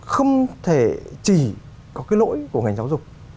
không thể chỉ có cái lỗi của ngành giáo dục